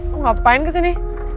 kamu ngapain kesini